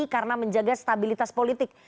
karena menjaga stabilitas politik